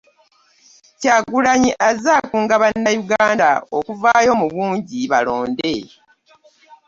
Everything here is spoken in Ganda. Kyagulanyi azze akunga Bannayuganda okuvaayo mu bungi balonde